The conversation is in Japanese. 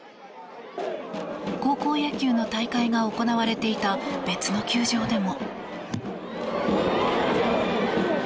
高校野球の大会が行われていた別の球場でも。